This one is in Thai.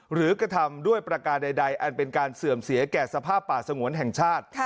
กระทำด้วยประการใดอันเป็นการเสื่อมเสียแก่สภาพป่าสงวนแห่งชาติ